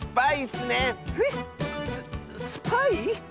ススパイ？